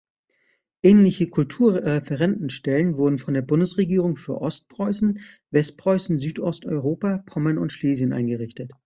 Ähnliche Kulturreferenten-Stellen wurden von der Bundesregierung für Ostpreußen, Westpreußen, Südosteuropa, Pommern und Schlesien eingerichtet.